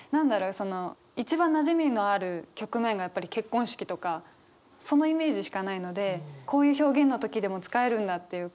その一番なじみのある局面がやっぱり結婚式とかそのイメージしかないのでこういう表現の時でも使えるんだっていうか。